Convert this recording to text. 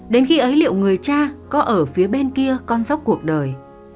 đến khi ấy liệu người cha có ở phía bên kia con dốc cuộc đời